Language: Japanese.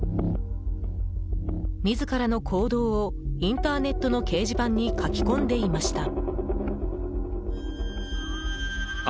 自らの行動をインターネットの掲示板に書き込んでいました。